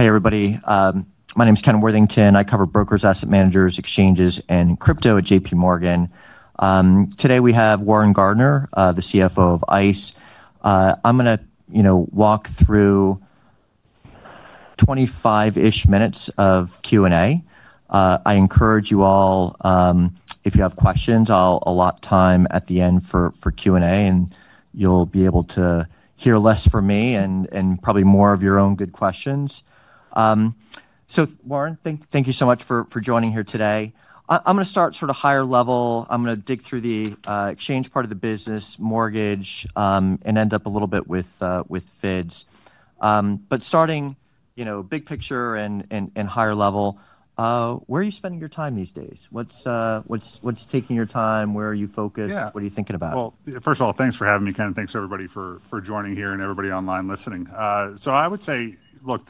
Hey, everybody. My name is Ken Worthington. I cover brokers, asset managers, exchanges, and crypto at JPMorgan. Today we have Warren Gardiner, the CFO of ICE. I'm going to walk through 25-ish minutes of Q&A. I encourage you all, if you have questions, I'll allot time at the end for Q&A, and you'll be able to hear less from me and probably more of your own good questions. Warren, thank you so much for joining here today. I'm going to start at a higher level. I'm going to dig through the exchange part of the business, mortgage, and end up a little bit with FIDS. Starting big picture and higher level, where are you spending your time these days? What's taking your time? Where are you focused? What are you thinking about? First of all, thanks for having me, Ken. Thanks, everybody, for joining here and everybody online listening. I would say, look,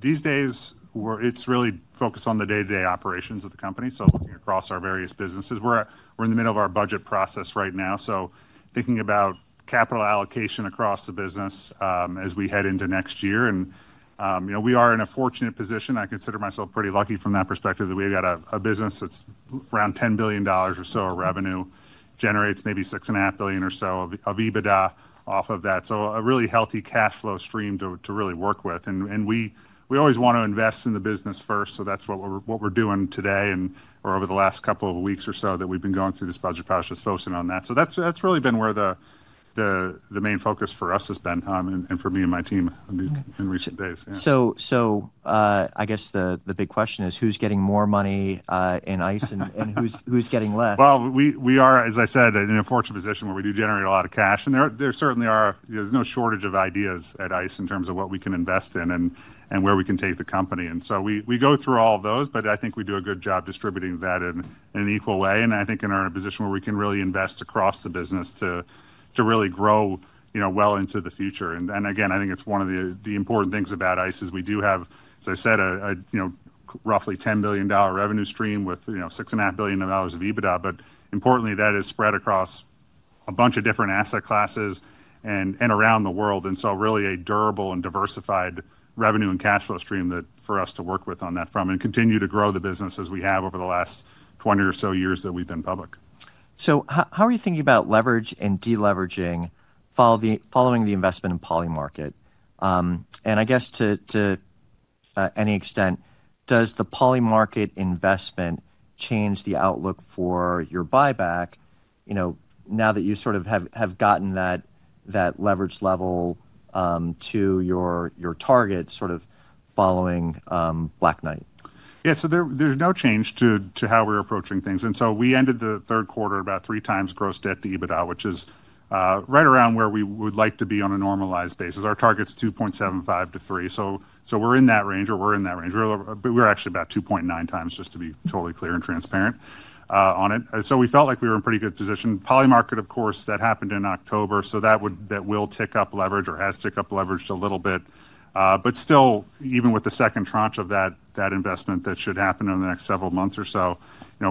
these days, it's really focused on the day-to-day operations of the company, so looking across our various businesses. We're in the middle of our budget process right now, so thinking about capital allocation across the business as we head into next year. We are in a fortunate position. I consider myself pretty lucky from that perspective that we've got a business that's around $10 billion or so of revenue, generates maybe $6.5 billion or so of EBITDA off of that, so a really healthy cash flow stream to really work with. We always want to invest in the business first, so that's what we're doing today and over the last couple of weeks or so that we've been going through this budget process, focusing on that. That's really been where the main focus for us has been and for me and my team in recent days. I guess the big question is, who's getting more money in ICE and who's getting less? We are, as I said, in a fortunate position where we do generate a lot of cash. There certainly is no shortage of ideas at ICE in terms of what we can invest in and where we can take the company. We go through all of those, but I think we do a good job distributing that in an equal way. I think in a position where we can really invest across the business to really grow well into the future. Again, I think it is one of the important things about ICE is we do have, as I said, a roughly $10 billion revenue stream with $6.5 billion of EBITDA, but importantly, that is spread across a bunch of different asset classes and around the world. Really a durable and diversified revenue and cash flow stream for us to work with on that front and continue to grow the business as we have over the last 20 or so years that we've been public. How are you thinking about leverage and deleveraging following the investment in Polymarket? I guess to any extent, does the Polymarket investment change the outlook for your buyback now that you sort of have gotten that leverage level to your target sort of following Black Knight? Yeah, so there's no change to how we're approaching things. We ended the third quarter at about 3x gross debt to EBITDA, which is right around where we would like to be on a normalized basis. Our target's 2.75x-3x, so we're in that range. We're actually about 2.9x, just to be totally clear and transparent on it. We felt like we were in a pretty good position. Polymarket, of course, that happened in October, so that will tick up leverage or has ticked up leverage a little bit. Still, even with the second tranche of that investment that should happen in the next several months or so,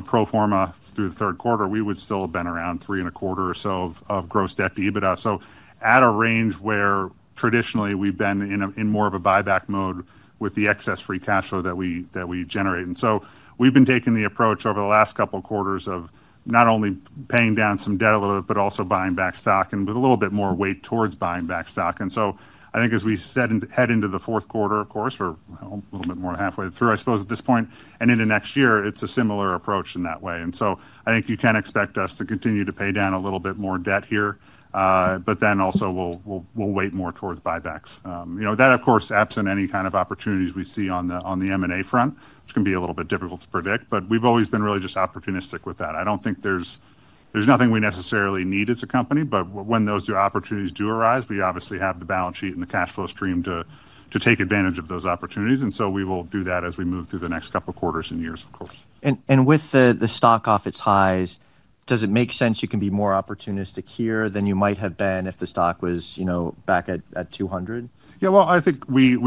pro forma through the third quarter, we would still have been around three and a quarter or so of gross debt to EBITDA. At a range where traditionally we've been in more of a buyback mode with the excess free cash flow that we generate. We've been taking the approach over the last couple of quarters of not only paying down some debt a little bit, but also buying back stock with a little bit more weight towards buying back stock. I think as we head into the fourth quarter, of course, or a little bit more than halfway through, I suppose at this point, and into next year, it's a similar approach in that way. I think you can expect us to continue to pay down a little bit more debt here, but then also we'll weight more towards buybacks. That, of course, absent any kind of opportunities we see on the M&A front, which can be a little bit difficult to predict, but we've always been really just opportunistic with that. I don't think there's nothing we necessarily need as a company, but when those opportunities do arise, we obviously have the balance sheet and the cash flow stream to take advantage of those opportunities. We will do that as we move through the next couple of quarters and years, of course. With the stock off its highs, does it make sense you can be more opportunistic here than you might have been if the stock was back at $200? Yeah, I think we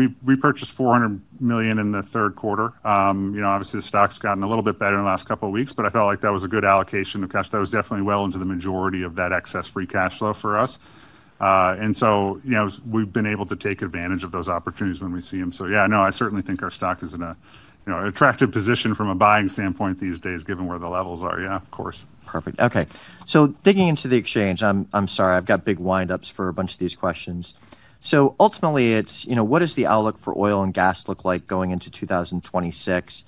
purchased $400 million in the third quarter. Obviously, the stock's gotten a little bit better in the last couple of weeks, but I felt like that was a good allocation of cash. That was definitely well into the majority of that excess free cash flow for us. We've been able to take advantage of those opportunities when we see them. Yeah, I certainly think our stock is in an attractive position from a buying standpoint these days, given where the levels are. Yeah, of course. Perfect. Okay. Digging into the exchange, I'm sorry, I've got big windups for a bunch of these questions. Ultimately, what does the outlook for oil and gas look like going into 2026?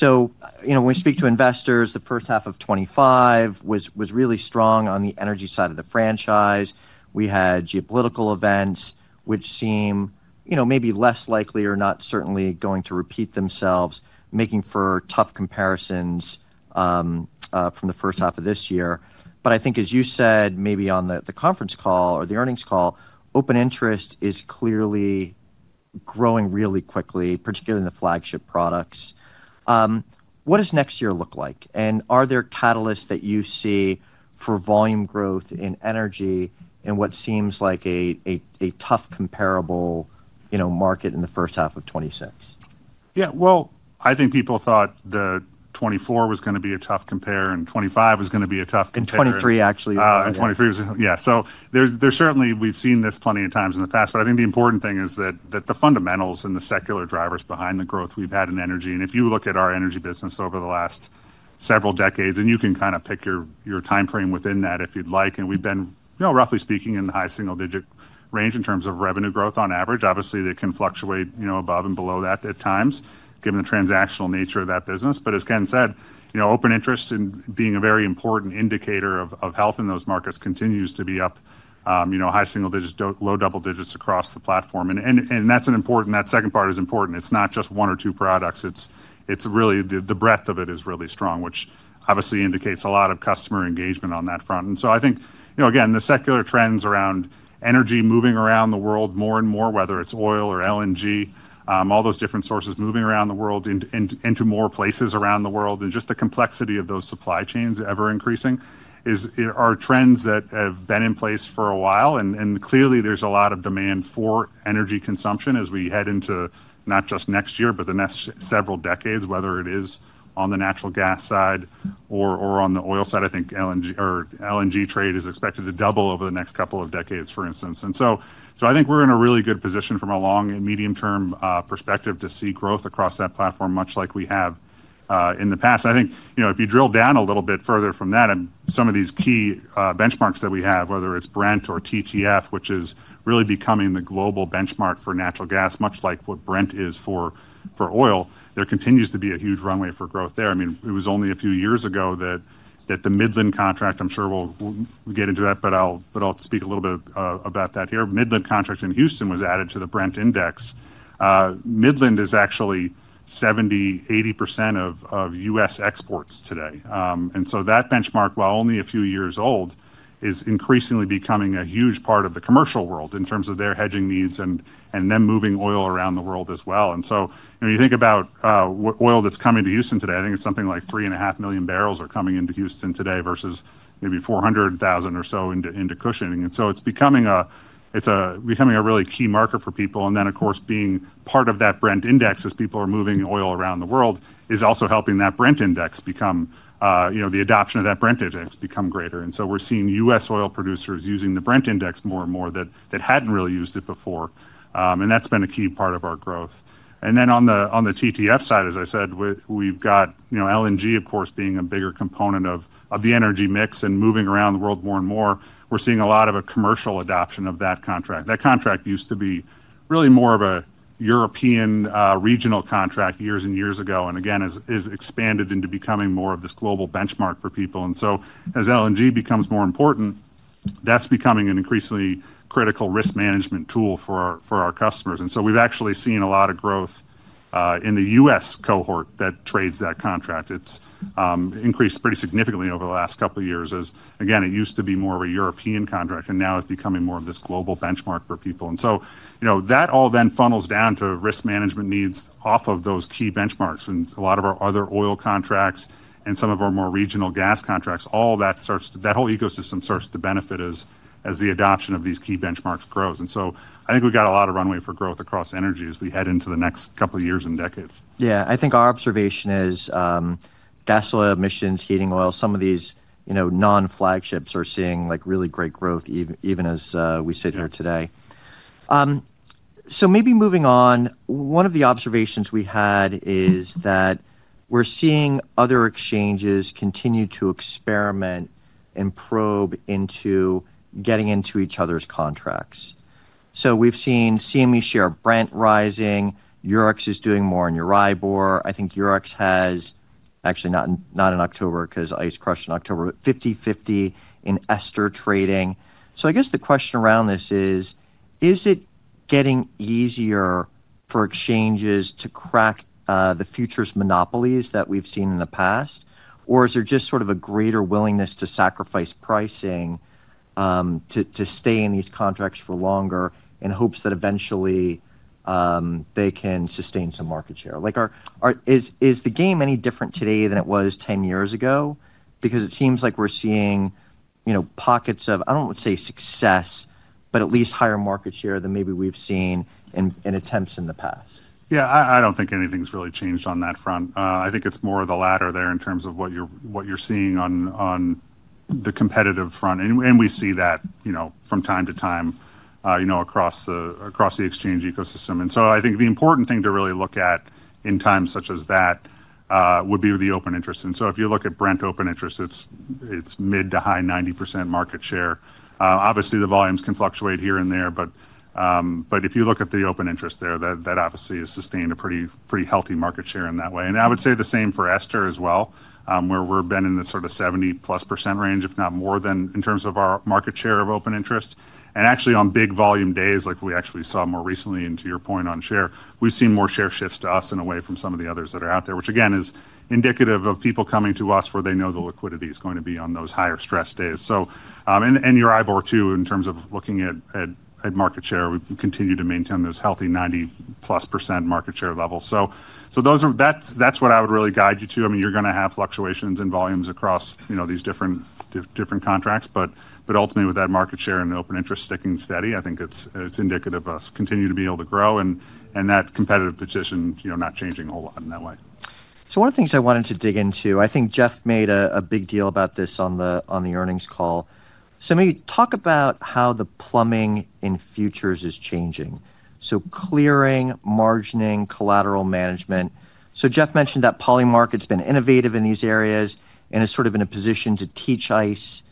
When we speak to investors, the first half of 2025 was really strong on the energy side of the franchise. We had geopolitical events, which seem maybe less likely or not certainly going to repeat themselves, making for tough comparisons from the first half of this year. I think, as you said, maybe on the conference call or the earnings call, open interest is clearly growing really quickly, particularly in the flagship products. What does next year look like? Are there catalysts that you see for volume growth in energy in what seems like a tough comparable market in the first half of 2026? Yeah, I think people thought the 2024 was going to be a tough compare and 2025 was going to be a tough compare. 2023 actually. 2023 was, yeah. We have seen this plenty of times in the past, but I think the important thing is that the fundamentals and the secular drivers behind the growth we have had in energy. If you look at our energy business over the last several decades, and you can kind of pick your time frame within that if you would like, we have been, roughly speaking, in the high single-digit range in terms of revenue growth on average. Obviously, it can fluctuate above and below that at times, given the transactional nature of that business. As Ken said, open interest being a very important indicator of health in those markets continues to be up, high single digits, low double digits across the platform. That second part is important. It is not just one or two products. The breadth of it is really strong, which obviously indicates a lot of customer engagement on that front. I think, again, the secular trends around energy moving around the world more and more, whether it is oil or LNG, all those different sources moving around the world into more places around the world, and just the complexity of those supply chains ever increasing are trends that have been in place for a while. Clearly, there is a lot of demand for energy consumption as we head into not just next year, but the next several decades, whether it is on the natural gas side or on the oil side. I think LNG trade is expected to double over the next couple of decades, for instance. I think we're in a really good position from a long and medium-term perspective to see growth across that platform, much like we have in the past. I think if you drill down a little bit further from that, some of these key benchmarks that we have, whether it's Brent or TTF, which is really becoming the global benchmark for natural gas, much like what Brent is for oil, there continues to be a huge runway for growth there. I mean, it was only a few years ago that the Midland contract, I'm sure we'll get into that, but I'll speak a little bit about that here. Midland contract in Houston was added to the Brent Index. Midland is actually 70%-80% of U.S. exports today. That benchmark, while only a few years old, is increasingly becoming a huge part of the commercial world in terms of their hedging needs and them moving oil around the world as well. When you think about oil that's coming to Houston today, I think it's something like 3.5 million bbl are coming into Houston today versus maybe 400,000 or so into Cushing. It's becoming a really key marker for people. Of course, being part of that Brent Index as people are moving oil around the world is also helping that Brent Index become, the adoption of that Brent Index become greater. We're seeing U.S. oil producers using the Brent Index more and more that hadn't really used it before. That's been a key part of our growth. On the TTF side, as I said, we've got LNG, of course, being a bigger component of the energy mix and moving around the world more and more. We're seeing a lot of commercial adoption of that contract. That contract used to be really more of a European regional contract years and years ago and again has expanded into becoming more of this global benchmark for people. As LNG becomes more important, that's becoming an increasingly critical risk management tool for our customers. We've actually seen a lot of growth in the U.S. cohort that trades that contract. It's increased pretty significantly over the last couple of years as, again, it used to be more of a European contract, and now it's becoming more of this global benchmark for people. That all then funnels down to risk management needs off of those key benchmarks. A lot of our other oil contracts and some of our more regional gas contracts, all that starts to, that whole ecosystem starts to benefit as the adoption of these key benchmarks grows. I think we've got a lot of runway for growth across energy as we head into the next couple of years and decades. Yeah, I think our observation is gas oil emissions, heating oil, some of these non-flagships are seeing really great growth even as we sit here today. Maybe moving on, one of the observations we had is that we're seeing other exchanges continue to experiment and probe into getting into each other's contracts. We've seen CME share Brent rising, Eurex is doing more in EURIBOR. I think Eurex has, actually not in October because ICE crushed in October, 50/50 in €STR trading. I guess the question around this is, is it getting easier for exchanges to crack the futures monopolies that we've seen in the past? Or is there just sort of a greater willingness to sacrifice pricing to stay in these contracts for longer in hopes that eventually they can sustain some market share? Is the game any different today than it was 10 years ago? Because it seems like we're seeing pockets of, I don't want to say success, but at least higher market share than maybe we've seen in attempts in the past. Yeah, I don't think anything's really changed on that front. I think it's more of the latter there in terms of what you're seeing on the competitive front. We see that from time to time across the exchange ecosystem. I think the important thing to really look at in times such as that would be the open interest. If you look at Brent open interest, it's mid to high 90% market share. Obviously, the volumes can fluctuate here and there, but if you look at the open interest there, that obviously has sustained a pretty healthy market share in that way. I would say the same for €STR as well, where we've been in the sort of 70%+ range, if not more, in terms of our market share of open interest. Actually, on big volume days, like we actually saw more recently, to your point on share, we've seen more share shift to us and away from some of the others that are out there, which again is indicative of people coming to us where they know the liquidity is going to be on those higher stress days. EURIBOR too, in terms of looking at market share, we continue to maintain those healthy 90%+ market share levels. That is what I would really guide you to. I mean, you're going to have fluctuations in volumes across these different contracts, but ultimately with that market share and open interest sticking steady, I think it is indicative of us continuing to be able to grow and that competitive position not changing a whole lot in that way. One of the things I wanted to dig into, I think Jeff made a big deal about this on the earnings call. Maybe talk about how the plumbing in futures is changing. Clearing, margining, collateral management. Jeff mentioned that Polymarket's been innovative in these areas and is sort of in a position to teach ICE,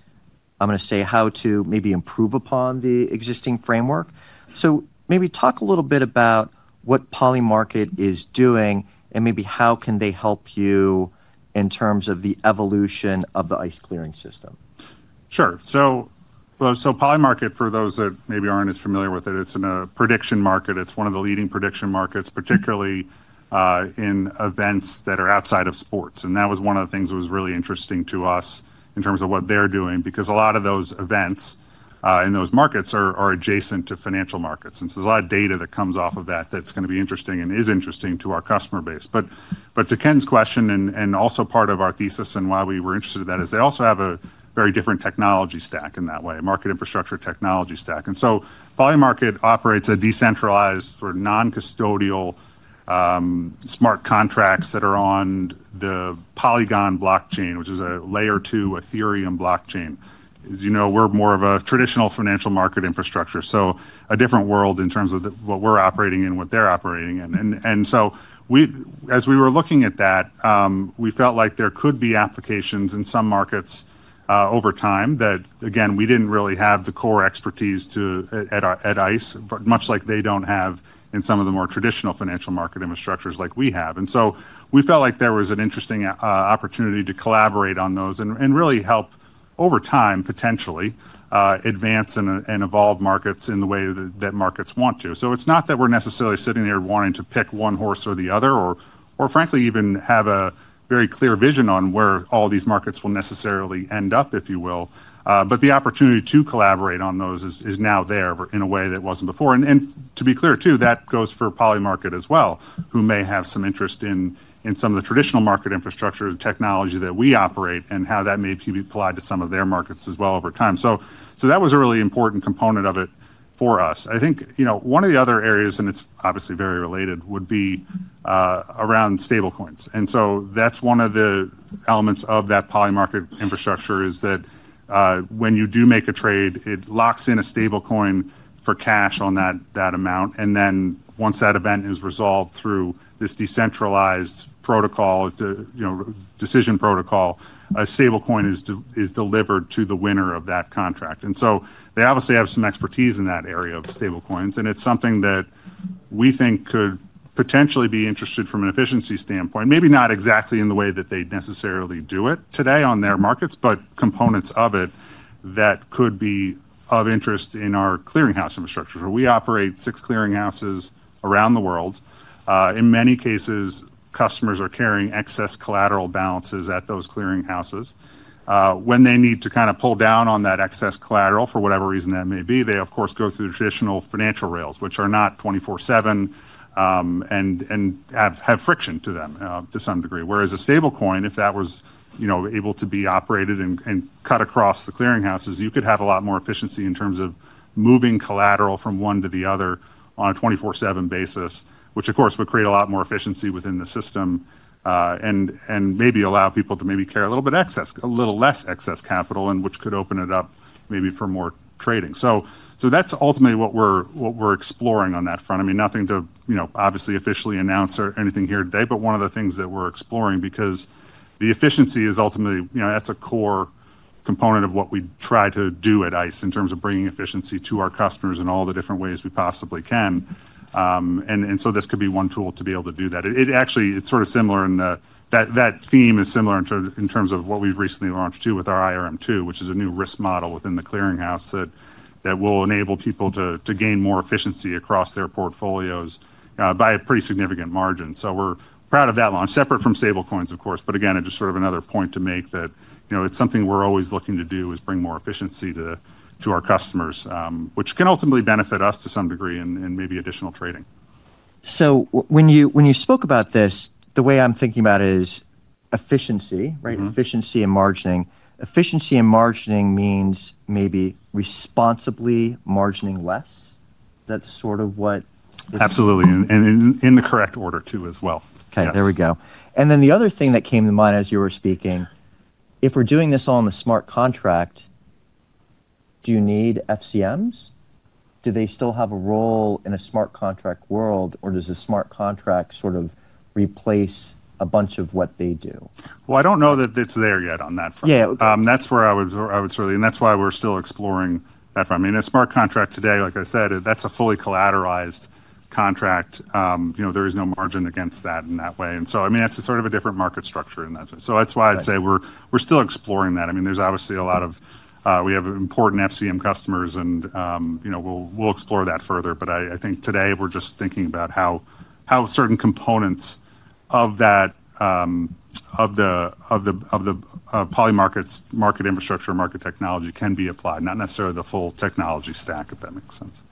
I'm going to say how to maybe improve upon the existing framework. Maybe talk a little bit about what Polymarket is doing and maybe how can they help you in terms of the evolution of the ICE clearing system. Sure. Polymarket, for those that maybe aren't as familiar with it, it's a prediction market. It's one of the leading prediction markets, particularly in events that are outside of sports. That was one of the things that was really interesting to us in terms of what they're doing because a lot of those events in those markets are adjacent to financial markets. There is a lot of data that comes off of that that's going to be interesting and is interesting to our customer base. To Ken's question and also part of our thesis and why we were interested in that is they also have a very different technology stack in that way, market infrastructure technology stack. Polymarket operates a decentralized sort of non-custodial smart contracts that are on the Polygon blockchain, which is a layer two Ethereum blockchain. As you know, we're more of a traditional financial market infrastructure. A different world in terms of what we're operating and what they're operating in. As we were looking at that, we felt like there could be applications in some markets over time that, again, we didn't really have the core expertise at ICE, much like they don't have in some of the more traditional financial market infrastructures like we have. We felt like there was an interesting opportunity to collaborate on those and really help over time potentially advance and evolve markets in the way that markets want to. It's not that we're necessarily sitting there wanting to pick one horse or the other or frankly even have a very clear vision on where all these markets will necessarily end up, if you will. The opportunity to collaborate on those is now there in a way that was not before. To be clear too, that goes for Polymarket as well, who may have some interest in some of the traditional market infrastructure and technology that we operate and how that may be applied to some of their markets as well over time. That was a really important component of it for us. I think one of the other areas, and it is obviously very related, would be around stablecoins. That is one of the elements of that Polymarket infrastructure, that when you do make a trade, it locks in a stablecoin for cash on that amount. Once that event is resolved through this decentralized protocol, decision protocol, a stablecoin is delivered to the winner of that contract. They obviously have some expertise in that area of stablecoins. It is something that we think could potentially be interesting from an efficiency standpoint, maybe not exactly in the way that they necessarily do it today on their markets, but components of it that could be of interest in our clearinghouse infrastructure. We operate six clearinghouses around the world. In many cases, customers are carrying excess collateral balances at those clearinghouses. When they need to kind of pull down on that excess collateral for whatever reason that may be, they, of course, go through traditional financial rails, which are not 24/7 and have friction to them to some degree. Whereas a stablecoin, if that was able to be operated and cut across the clearinghouses, you could have a lot more efficiency in terms of moving collateral from one to the other on a 24/7 basis, which of course would create a lot more efficiency within the system and maybe allow people to maybe carry a little bit of excess, a little less excess capital, which could open it up maybe for more trading. That is ultimately what we are exploring on that front. I mean, nothing to obviously officially announce or anything here today, but one of the things that we are exploring because the efficiency is ultimately, that is a core component of what we try to do at ICE in terms of bringing efficiency to our customers in all the different ways we possibly can. This could be one tool to be able to do that. It actually, it's sort of similar in that that theme is similar in terms of what we've recently launched too with our IRM2, which is a new risk model within the clearinghouse that will enable people to gain more efficiency across their portfolios by a pretty significant margin. We're proud of that launch, separate from stablecoins, of course. Again, it's just sort of another point to make that it's something we're always looking to do is bring more efficiency to our customers, which can ultimately benefit us to some degree and maybe additional trading. When you spoke about this, the way I'm thinking about it is efficiency, right? Efficiency and margining. Efficiency and margining means maybe responsibly margining less. That's sort of what. Absolutely. In the correct order too as well. Okay, there we go. The other thing that came to mind as you were speaking, if we're doing this all in the smart contract, do you need FCMs? Do they still have a role in a smart contract world, or does the smart contract sort of replace a bunch of what they do? I don't know that it's there yet on that front. That's where I would sort of, and that's why we're still exploring that front. I mean, a smart contract today, like I said, that's a fully collateralized contract. There is no margin against that in that way. I mean, that's a sort of a different market structure in that sense. That's why I'd say we're still exploring that. I mean, there's obviously a lot of, we have important FCM customers and we'll explore that further. I think today we're just thinking about how certain components of the Polymarket's market infrastructure and market technology can be applied, not necessarily the full technology stack, if that makes sense.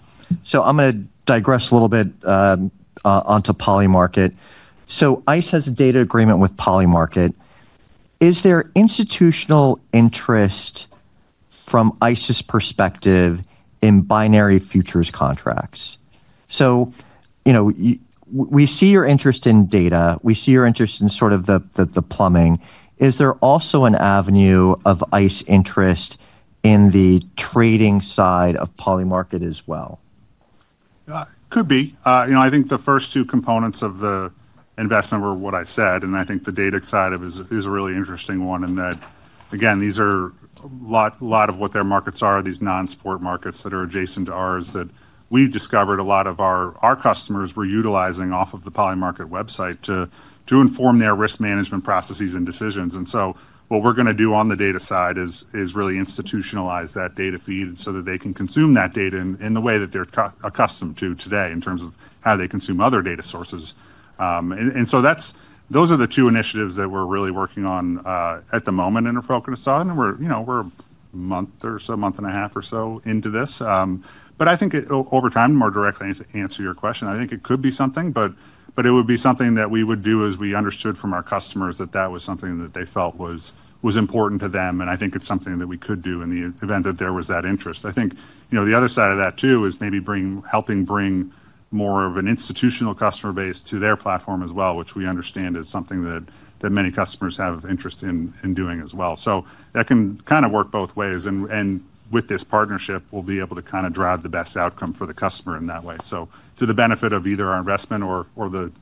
I'm going to digress a little bit onto Polymarket. ICE has a data agreement with Polymarket. Is there institutional interest from ICE's perspective in binary futures contracts? We see your interest in data. We see your interest in sort of the plumbing. Is there also an avenue of ICE interest in the trading side of Polymarket as well? Could be. I think the first two components of the investment were what I said. I think the data side of it is a really interesting one in that, again, these are a lot of what their markets are, these non-sport markets that are adjacent to ours that we've discovered a lot of our customers were utilizing off of the Polymarket website to inform their risk management processes and decisions. What we're going to do on the data side is really institutionalize that data feed so that they can consume that data in the way that they're accustomed to today in terms of how they consume other data sources. Those are the two initiatives that we're really working on at the moment and are focused on. We're a month or so, month and a half or so into this. I think over time, more directly to answer your question, I think it could be something, but it would be something that we would do as we understood from our customers that that was something that they felt was important to them. I think it is something that we could do in the event that there was that interest. I think the other side of that too is maybe helping bring more of an institutional customer base to their platform as well, which we understand is something that many customers have interest in doing as well. That can kind of work both ways. With this partnership, we'll be able to kind of drive the best outcome for the customer in that way, to the benefit of either our investment or the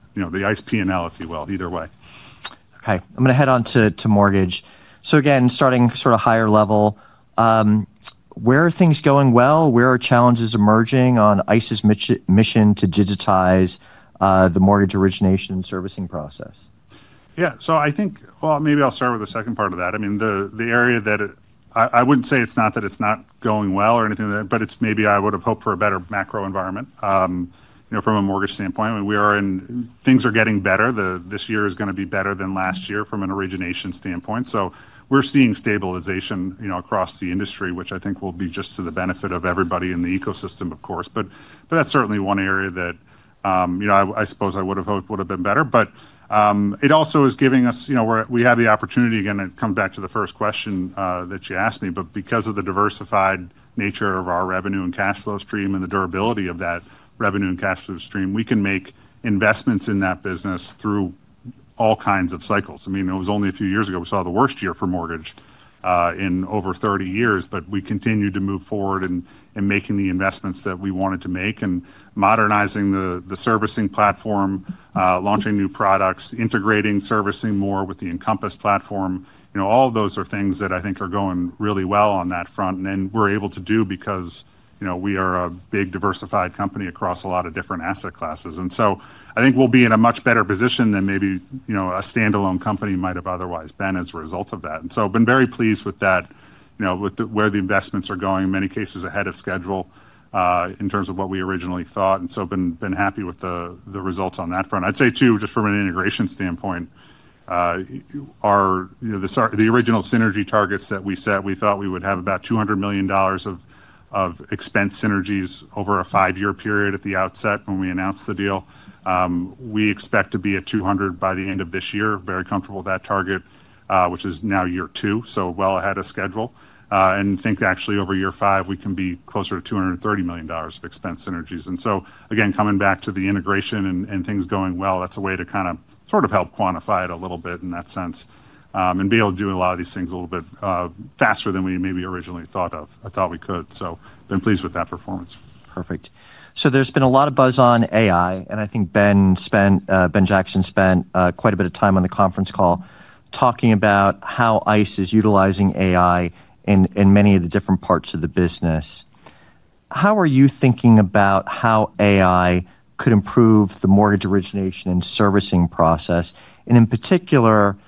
ICE P&L, if you will, either way. Okay. I'm going to head on to mortgage. So again, starting sort of higher level, where are things going well? Where are challenges emerging on ICE's mission to digitize the mortgage origination servicing process? Yeah. I think, maybe I'll start with the second part of that. I mean, the area that I wouldn't say it's not that it's not going well or anything like that, but maybe I would have hoped for a better macro environment from a mortgage standpoint. I mean, things are getting better. This year is going to be better than last year from an origination standpoint. We're seeing stabilization across the industry, which I think will be just to the benefit of everybody in the ecosystem, of course. That's certainly one area that I suppose I would have hoped would have been better. It also is giving us, we have the opportunity again to come back to the first question that you asked me, but because of the diversified nature of our revenue and cash flow stream and the durability of that revenue and cash flow stream, we can make investments in that business through all kinds of cycles. I mean, it was only a few years ago we saw the worst year for mortgage in over 30 years, but we continued to move forward in making the investments that we wanted to make and modernizing the servicing platform, launching new products, integrating servicing more with the Encompass platform. All of those are things that I think are going really well on that front and we're able to do because we are a big diversified company across a lot of different asset classes. I think we'll be in a much better position than maybe a standalone company might have otherwise been as a result of that. I've been very pleased with that, with where the investments are going, in many cases ahead of schedule in terms of what we originally thought. I've been happy with the results on that front. I'd say too, just from an integration standpoint, the original synergy targets that we set, we thought we would have about $200 million of expense synergies over a five-year period at the outset when we announced the deal. We expect to be at $200 million by the end of this year, very comfortable with that target, which is now year two, so well ahead of schedule. I think actually over year five, we can be closer to $230 million of expense synergies. Again, coming back to the integration and things going well, that's a way to kind of sort of help quantify it a little bit in that sense and be able to do a lot of these things a little bit faster than we maybe originally thought of. I thought we could. I have been pleased with that performance. Perfect. There has been a lot of buzz on AI, and I think Ben Jackson spent quite a bit of time on the conference call talking about how ICE is utilizing AI in many of the different parts of the business. How are you thinking about how AI could improve the mortgage origination and servicing process? In particular,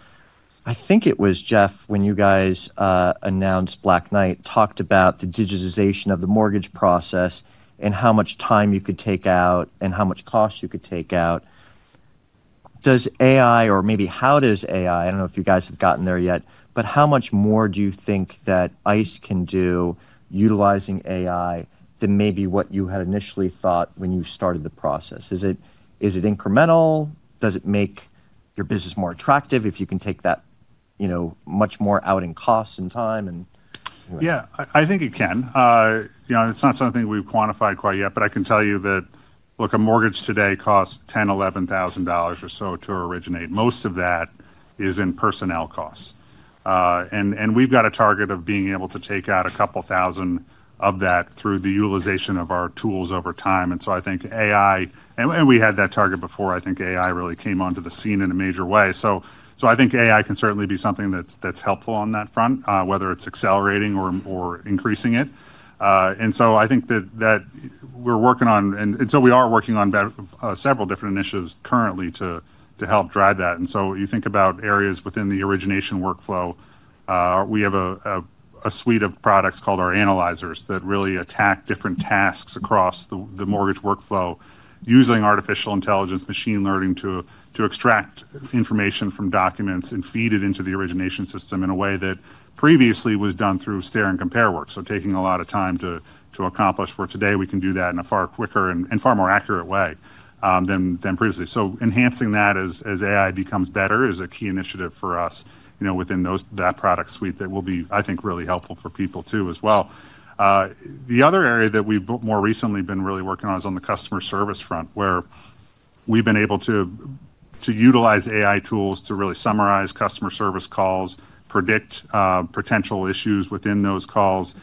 I think it was Jeff, when you guys announced Black Knight, talked about the digitization of the mortgage process and how much time you could take out and how much cost you could take out. Does AI, or maybe how does AI, I do not know if you guys have gotten there yet, but how much more do you think that ICE can do utilizing AI than maybe what you had initially thought when you started the process? Is it incremental? Does it make your business more attractive if you can take that much more out in cost and time? Yeah, I think it can. It's not something we've quantified quite yet, but I can tell you that, look, a mortgage today costs $10,000, $11,000 or so to originate. Most of that is in personnel costs. We've got a target of being able to take out a couple thousand of that through the utilization of our tools over time. I think AI, and we had that target before, I think AI really came onto the scene in a major way. I think AI can certainly be something that's helpful on that front, whether it's accelerating or increasing it. I think that we're working on, and we are working on several different initiatives currently to help drive that. You think about areas within the origination workflow, we have a suite of products called our analyzers that really attack different tasks across the mortgage workflow using artificial intelligence, machine learning to extract information from documents and feed it into the origination system in a way that previously was done through stare and compare work. Taking a lot of time to accomplish where today we can do that in a far quicker and far more accurate way than previously. Enhancing that as AI becomes better is a key initiative for us within that product suite that will be, I think, really helpful for people too as well. The other area that we've more recently been really working on is on the customer service front, where we've been able to utilize AI tools to really summarize customer service calls, predict potential issues within those calls.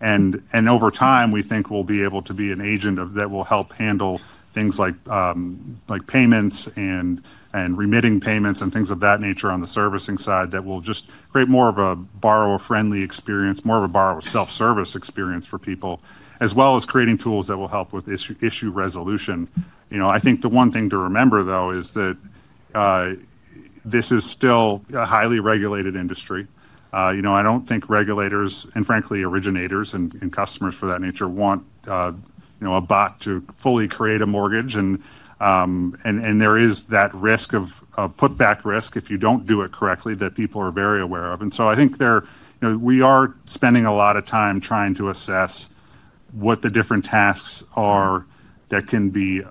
Over time, we think we'll be able to be an agent that will help handle things like payments and remitting payments and things of that nature on the servicing side that will just create more of a borrower-friendly experience, more of a borrower self-service experience for people, as well as creating tools that will help with issue resolution. I think the one thing to remember though is that this is still a highly regulated industry. I don't think regulators, and frankly originators and customers for that nature want a bot to fully create a mortgage. And there is that risk of put-back risk if you don't do it correctly that people are very aware of. I think we are spending a lot of time trying to assess what the different tasks are that can be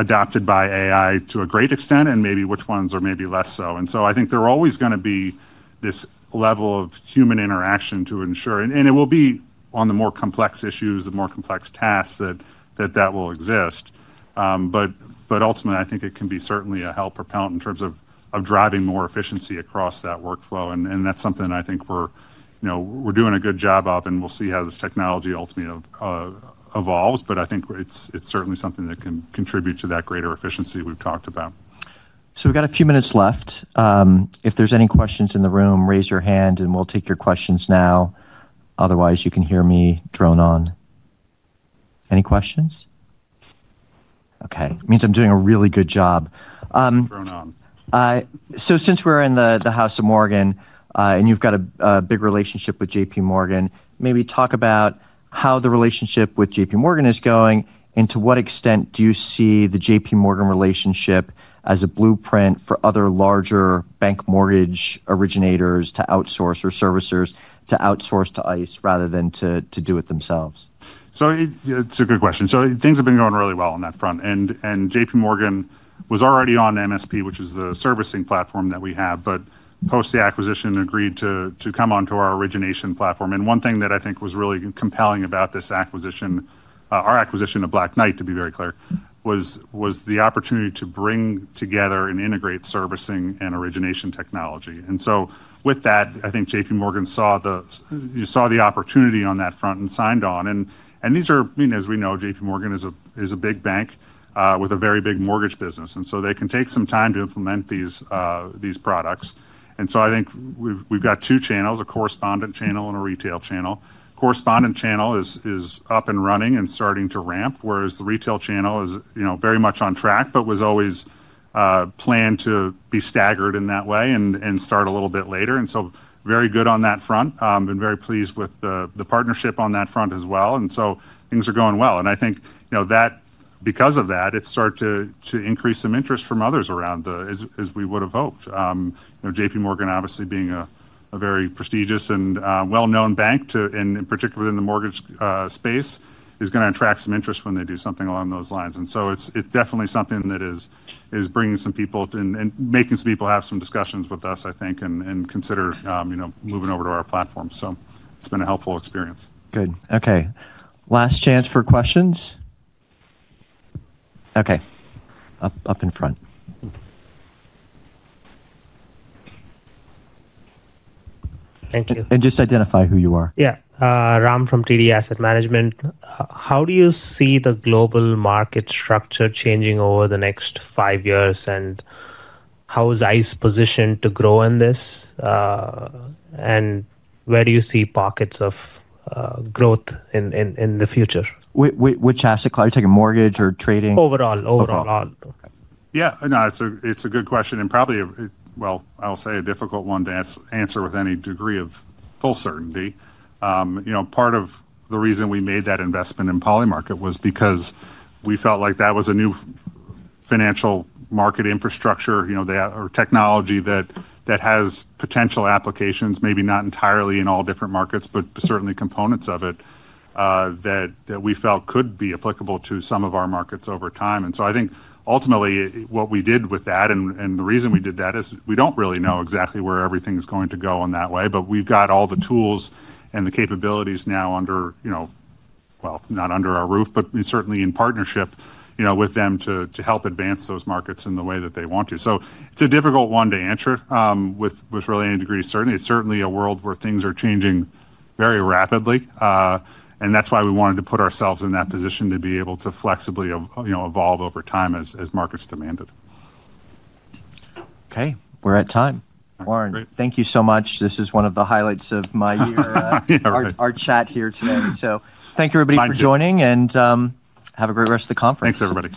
adopted by AI to a great extent and maybe which ones are maybe less so. I think there are always going to be this level of human interaction to ensure, and it will be on the more complex issues, the more complex tasks that that will exist. Ultimately, I think it can be certainly a help or account in terms of driving more efficiency across that workflow. That is something that I think we're doing a good job of, and we'll see how this technology ultimately evolves. I think it's certainly something that can contribute to that greater efficiency we've talked about. So we've got a few minutes left. If there's any questions in the room, raise your hand and we'll take your questions now. Otherwise, you can hear me drone on. Any questions? Okay. It means I'm doing a really good job. Drone on. Since we're in the House of Morgan and you've got a big relationship with JPMorgan, maybe talk about how the relationship with JPMorgan is going and to what extent do you see the JPMorgan relationship as a blueprint for other larger bank mortgage originators to outsource or servicers to outsource to ICE rather than to do it themselves? It's a good question. Things have been going really well on that front. JPMorgan was already on MSP, which is the servicing platform that we have, but post the acquisition agreed to come onto our origination platform. One thing that I think was really compelling about this acquisition, our acquisition of Black Knight, to be very clear, was the opportunity to bring together and integrate servicing and origination technology. With that, I think JPMorgan saw the opportunity on that front and signed on. These are, I mean, as we know, JPMorgan is a big bank with a very big mortgage business. They can take some time to implement these products. I think we've got two channels, a correspondent channel and a retail channel. Correspondent channel is up and running and starting to ramp, whereas the retail channel is very much on track, but was always planned to be staggered in that way and start a little bit later. Very good on that front. I've been very pleased with the partnership on that front as well. Things are going well. I think that because of that, it started to increase some interest from others around, as we would have hoped. JPMorgan, obviously being a very prestigious and well-known bank, and in particular in the mortgage space, is going to attract some interest when they do something along those lines. It is definitely something that is bringing some people and making some people have some discussions with us, I think, and consider moving over to our platform. It has been a helpful experience. Good. Okay. Last chance for questions. Okay. Up in front. Thank you. Just identify who you are. Yeah. Ram from TD Asset Management. How do you see the global market structure changing over the next five years? How is ICE positioned to grow in this? Where do you see pockets of growth in the future? Which asset class? Are you talking mortgage or trading? Overall. Overall. Yeah. No, it's a good question. Probably, I'll say a difficult one to answer with any degree of full certainty. Part of the reason we made that investment in Polymarket was because we felt like that was a new financial market infrastructure or technology that has potential applications, maybe not entirely in all different markets, but certainly components of it that we felt could be applicable to some of our markets over time. I think ultimately what we did with that, and the reason we did that is we don't really know exactly where everything is going to go in that way, but we've got all the tools and the capabilities now under, well, not under our roof, but certainly in partnership with them to help advance those markets in the way that they want to. It's a difficult one to answer with really any degree of certainty. It's certainly a world where things are changing very rapidly. That's why we wanted to put ourselves in that position to be able to flexibly evolve over time as markets demanded. Okay. We're at time. Warren, thank you so much. This is one of the highlights of my year, our chat here today. Thank you, everybody, for joining, and have a great rest of the conference. Thanks, everybody.